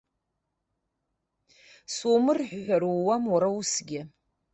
Сумырҳәҳәар ууам уара усгьы.